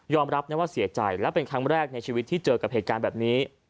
รับนะว่าเสียใจและเป็นครั้งแรกในชีวิตที่เจอกับเหตุการณ์แบบนี้